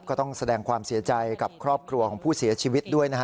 ก็ต้องแสดงความเสียใจกับครอบครัวของผู้เสียชีวิตด้วยนะฮะ